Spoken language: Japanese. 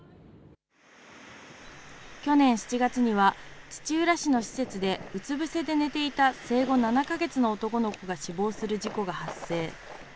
去年７月には土浦市の施設でうつ伏せで寝ていた生後７か月の男の子が死亡する事故が発生。